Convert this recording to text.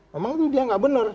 memang itu dia nggak benar